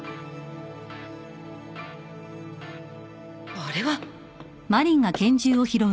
あれは！